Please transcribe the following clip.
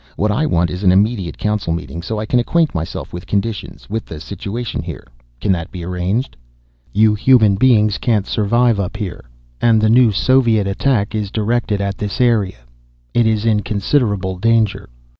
What I want is an immediate Council meeting so I can acquaint myself with conditions, with the situation here. Can that be arranged?" "You human beings can't survive up here. And the new Soviet attack is directed at this area. It is in considerable danger."